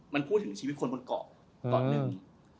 มันพูดถึงชีวิตคนบนเกาะตอนหนึ่ง